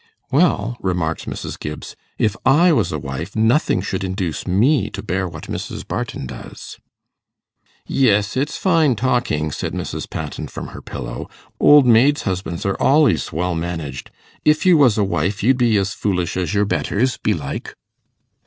'Well!' remarked Miss Gibbs, 'if I was a wife, nothing should induce me to bear what Mrs. Barton does.' 'Yes, it's fine talking,' said Mrs. Patten, from her pillow; 'old maids' husbands are al'ys well managed. If you was a wife you'd be as foolish as your betters, belike.